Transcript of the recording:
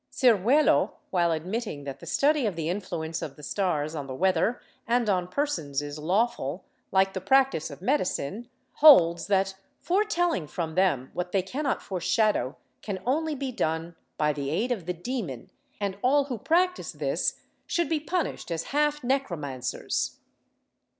Ciruelo, while admitting that the study of the influence of the stars on the weather and on persons is lawful, like the practice of medicine, holds that foretelling from them what they cannot foreshadow can only be done by the aid of the demon, and all who practise this should be punished as half necromancers.